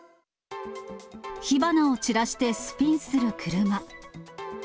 火花を散らしてスピンする車。